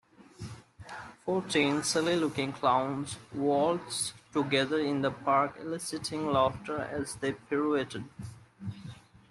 Fourteen silly looking clowns waltzed together in the park eliciting laughter as they pirouetted.